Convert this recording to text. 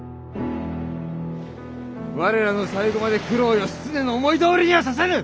我らの最期まで九郎義経の思いどおりにはさせぬ！